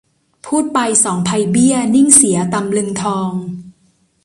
พูดไปสองไพเบี้ย นิ่งเสียตำลึงทอง